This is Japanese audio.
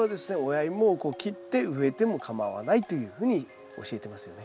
親イモをこう切って植えても構わないというふうに教えてますよね。